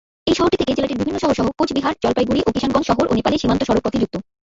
এই শহরটি থেকে জেলাটির বিভিন্ন শহরসহ কোচবিহার, জলপাইগুড়ি ও কিশানগঞ্জ শহর ও নেপালে সীমান্ত সড়কপথে যুক্ত।